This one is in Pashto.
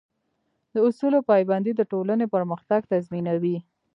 د اصولو پابندي د ټولنې پرمختګ تضمینوي.